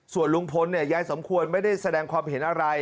ส่วนลุงพลเนี่ยยายสมควรไม่ได้แสดงความเห็นอะไร